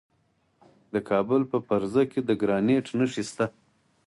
د کابل په فرزه کې د ګرانیټ نښې شته.